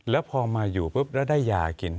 แล้วพอมาอยู่ปุ๊บแล้วได้ยากิน